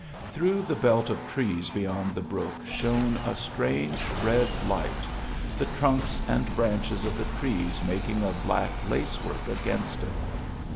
Through the belt of trees beyond the brook shone a strange red light, the trunks and branches of the trees making a black lacework against it.